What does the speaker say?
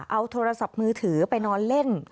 เอาโทรศัพท์มือถือไปนอนเล่น